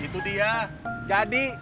itu dia jadi